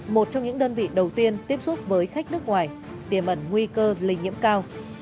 một trong những đơn vị đầu tiên tiếp xúc với khách nước ngoài tiềm ẩn nguy cơ lây nhiễm cao